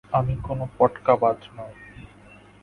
আমি কোনো পটকাবাজ নই!